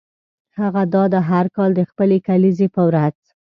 هغه دا ده هر کال د خپلې کلیزې په ورځ.